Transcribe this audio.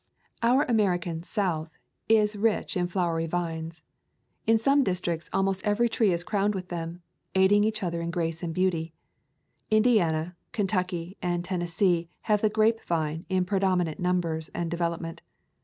Our American "South" is rich in flowery [ 157 ] A Thousand Mile Walk vines. In some districts almost every tree is crowned with them, aiding each other in grace and beauty. Indiana, Kentucky, and Tennes see have the grapevine in predominant num bers and development.